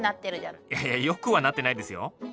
いやいやよくはなってないですよ。